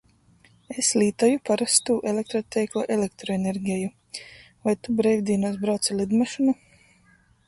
Es lītoju parostū elektroteikla elektroenergeju. Voi Tu breivdīnuos brauc ar lidmašynu?